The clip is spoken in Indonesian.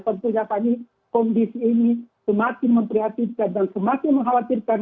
tentunya fani kondisi ini semakin memprihatinkan dan semakin mengkhawatirkan